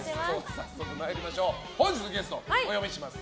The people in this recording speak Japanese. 早速、本日のゲストお呼びします。